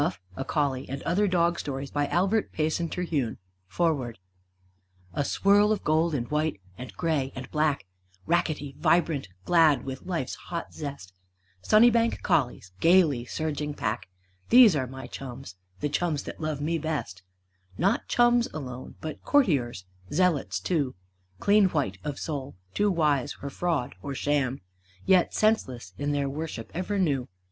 DORAN COMPANY PRINTED IN THE UNITED STATES OF AMERICA FOREWORD A swirl of gold and white and gray and black, Rackety, vibrant, glad with life's hot zest, Sunnybank collies, gaily surging pack, These are my chums; the chums that love me best. Not chums alone, but courtiers, zealots, too, Clean white of soul, too wise for fraud or sham; Yet senseless in their worship ever new.